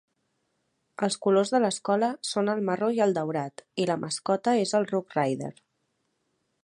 Els colors de l'escola són el marró i el daurat, i la mascota és el Roughrider.